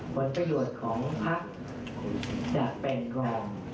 ผลประโยชน์ของภักดิ์จะเป็นรอง